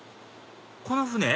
この船？